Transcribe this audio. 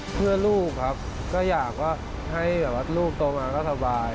เพื่อลูกครับก็อยากให้ลูกโตมาก็สบาย